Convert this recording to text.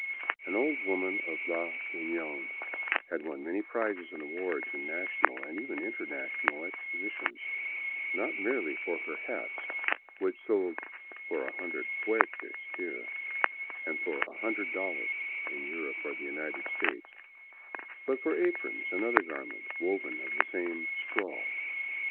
An old woman of La Union had won many prizes and awards in national and even international expo sitions, not merely for her hats, which sold for a hundred fuertes here, and for $ioo in Europe or the United States, but for aprons and other garments woven of the same " straw."